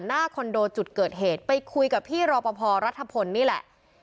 คอนโดจุดเกิดเหตุไปคุยกับพี่รอปภรัฐพลนี่แหละ